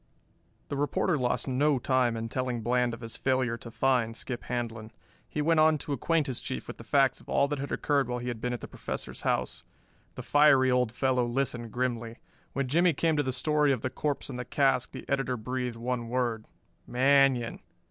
The reporter lost no time in telling Bland of his failure to find Skip Handlon. He went on to acquaint his Chief with the facts of all that had occured while he had been at the Professor's house. The fiery old fellow listened grimly. When Jimmie came to the story of the corpse and the cask the editor breathed one word, "Manion!"